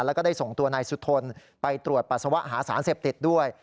แล้วก็ได้ส่งตัวนายสุทนไปตรวจปัสสาวะหาสารเสพติดด้วย